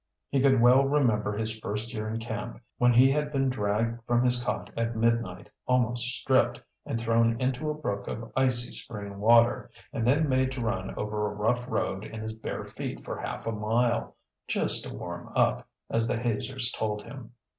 He could well remember his first year in camp, when he had been dragged from his cot at midnight, almost stripped, and thrown into a brook of icy spring water, and then made to run over a rough road in his bare feet for half a mile, "just to warm up," as the hazers told him.